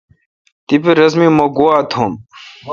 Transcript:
تیپہ رس می مہ گوا تھم۔